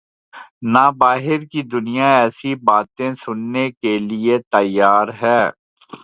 نہ باہر کی دنیا ایسی باتیں سننے کیلئے تیار ہے۔